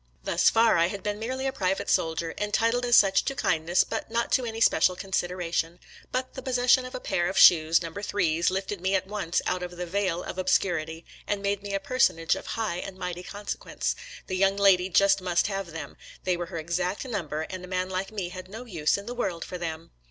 Thus far, I had been merely a private soldier — entitled as such to kindness, but not to any special con sideration — but the possession of a pair of shoes, number threes, lifted me at once out of the vale of obscurity and made me a personage of high and mighty consequence; the young 138 SOLDIER'S LETTERS TO CHARMING NELLIE lady just must have them — ^they were her exact number, and a man like me had no use in the world for them.